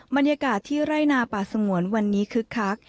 บรรยากาศที่ไร่นาป่าสงวนวันนี้คึกคัก